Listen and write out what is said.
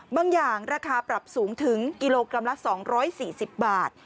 บางอย่างราคาปรับสูงถึงกิโลกรัมละ๒๔๐บาท